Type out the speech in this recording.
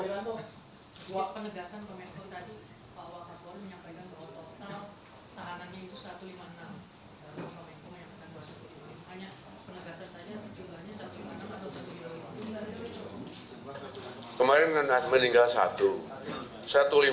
buat penegasan komentar tadi pak wakaborn menyampaikan bahwa total tahanannya itu satu ratus lima puluh enam